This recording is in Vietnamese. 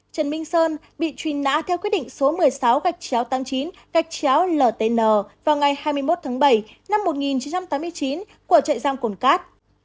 trần minh sơn bị truy nã theo quyết định số một mươi sáu tám mươi chín ltn vào ngày hai mươi một tháng bảy năm một nghìn chín trăm tám mươi chín của trại giang cồn cát